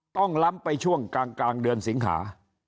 ล้ำไปช่วงกลางเดือนสิงหา